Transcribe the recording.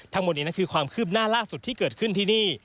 ทั้งหมดนี้นั่นคือความคืบหน้าล่าสุดที่เกิดขึ้นที่นี่